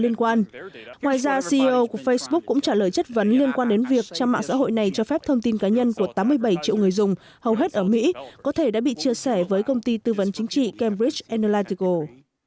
ngoài ra ceo của facebook cũng trả lời chất vấn liên quan đến việc trang mạng xã hội này cho phép thông tin cá nhân của tám mươi bảy triệu người dùng hầu hết ở mỹ có thể đã bị chia sẻ với công ty tư vấn chính trị cambridge analytical